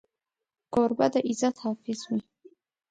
کوربه د عزت حافظ وي.